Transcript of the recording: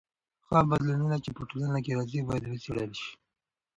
هغه بدلونونه چې په ټولنه کې راځي باید وڅېړل سي.